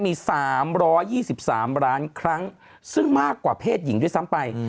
มี๓๒๓ล้านครั้งซึ่งมากกว่าเพศหญิงด้วยซ้ำไป